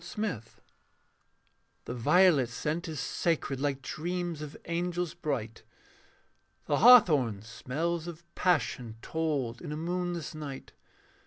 THE MARINER The violet scent is sacred Like dreams of angels bright; The hawthorn smells of passion Told in a moonless night.